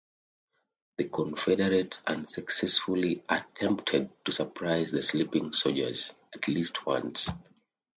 The Confederates unsuccessfully attempted to surprise the sleeping soldiers at least once.